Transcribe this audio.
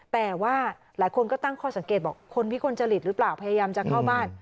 แต่ว่าหลายคนก็ตั้งข้อสังเกตบอกคนวิกลจริตหรือเปล่าพยายามจะเข้าบ้าน